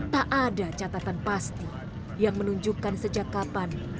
tak ada catatan pasti yang menunjukkan sejak kapan